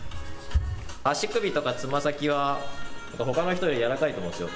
足首とかつま先はほかの人よりやわらかいと思うんですよ。